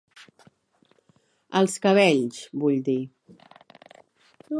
Els cabells, vull dir.